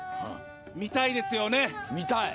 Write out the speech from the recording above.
見たいですよね。